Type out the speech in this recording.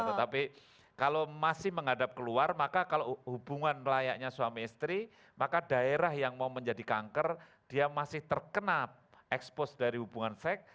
tetapi kalau masih menghadap keluar maka kalau hubungan layaknya suami istri maka daerah yang mau menjadi kanker dia masih terkena expose dari hubungan seks